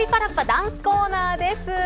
ダンスコーナーです。